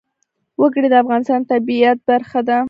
وګړي د افغانستان د طبیعت برخه ده.